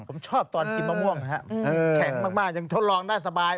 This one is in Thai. ผมชอบตอนกินมะม่วงครับแข็งมากยังทดลองได้สบาย